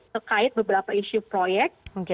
sekait beberapa isu proyek